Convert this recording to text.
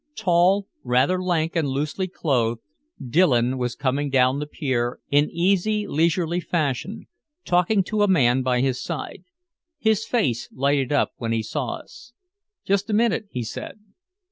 Tall, rather lank and loosely clothed, Dillon was coming down the pier in easy leisurely fashion, talking to a man by his side. His face lighted up when he saw us. "Just a minute," he said.